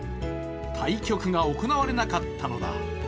対局が行われなかったのだ。